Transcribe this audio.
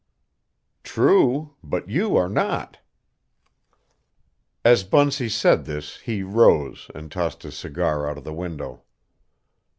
"True, but you are not." As Bunsey said this he rose and tossed his cigar out of the window.